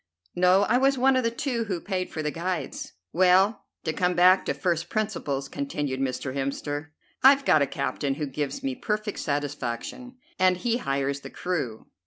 "No, I was one of the two who paid for the guides." "Well, to come back to first principles," continued Mr. Hemster, "I've got a captain who gives me perfect satisfaction, and he hires the crew.